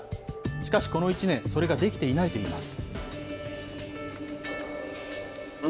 しかし、この１年、それができていないといいます。